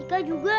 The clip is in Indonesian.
iya ruslan juga